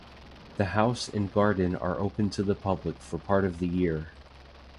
The house and garden are open to the public for part of the year.